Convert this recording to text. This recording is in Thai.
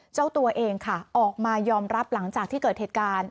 เจ้าตัวเองค่ะออกมายอมรับหลังจากที่เกิดเหตุการณ์